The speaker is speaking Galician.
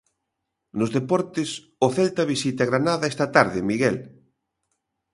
Nos deportes, o Celta visita Granada esta tarde, Miguel.